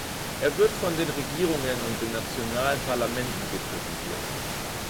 Er wird von den Regierungen und den nationalen Parlamenten repräsentiert.